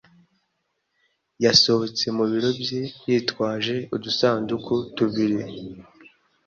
yasohotse mu biro bye yitwaje udusanduku tubiri.